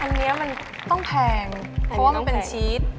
อันนี้มันต้องแพงเพราะว่ามันเป็นชีส